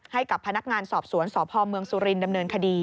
ให้กับพนักงานสอบสวนสพเมืองสุรินดำเนินคดี